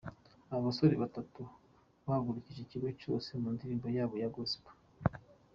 Aba basore batatu bahagurukije ikigo cyose mu ndirimbo yabo ya Gospel.